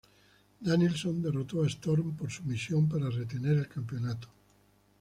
Danielson derrotó a Storm por sumisión para retener el campeonato.